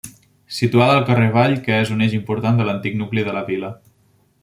Situada al carrer Vall que és un eix important de l'antic nucli de la vila.